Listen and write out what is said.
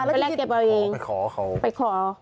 ไปไล่เก็บเอาเอง